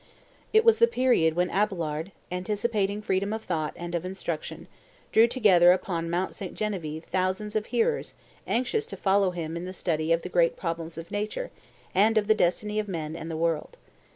It was the period when Abelard, anticipating freedom of thought and of instruction, drew together upon Mount St. Genevieve thousands of hearers anxious to follow him in the study of the great problems of Nature and of the destiny of man and the world.